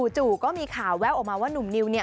จู่ก็มีข่าวแววออกมาว่าหนุ่มนิว